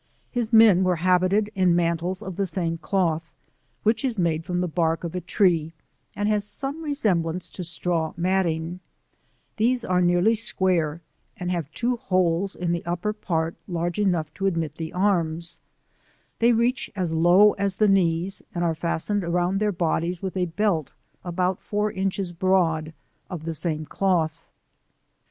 His men were habited in mantles of the same cloth, which is made from the bark of a tree^ and has some resemblance to straw mat ting, these are nearly square afid have two holes in the upper part large enough to adroit the arms ^ 23 they reach as low as the knees and are fastened round their bodies with a belt about four inches broad of the same cloth.